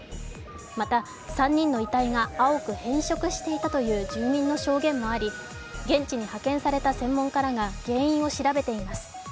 また３人の遺体が青く変色していたという住民の証言もあり現地に派遣された専門家らが原因を調べています。